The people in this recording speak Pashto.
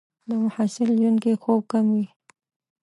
د محصل ژوند کې خوب کم وي.